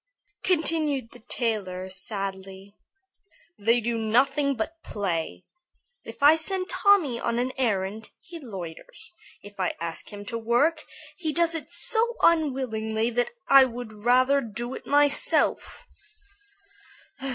continued the tailor, sadly. "They do nothing but play. If I send Tommy on an errand, he loiters. If I ask him to work, he does it so unwillingly that I would rather do it myself.